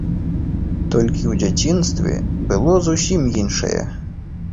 Толькі ў дзяцінстве было зусім іншае.